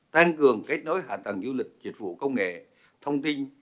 tăng cường kết nối hạ tầng du lịch dịch vụ công nghệ thông tin